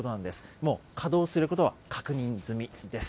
もう稼働することは確認済みです。